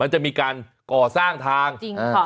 มันจะมีการก่อสร้างทางจริงค่ะ